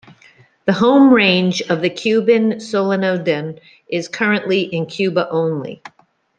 The home range of the Cuban solenodon is currently in Cuba only.